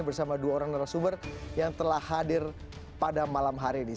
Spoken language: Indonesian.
bersama dua orang narasumber yang telah hadir pada malam hari ini